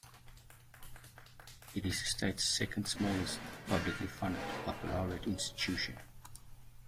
It is the state's second-smallest publicly funded baccalaureate institution.